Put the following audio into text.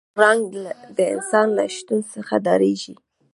پړانګ د انسان له شتون څخه ډارېږي.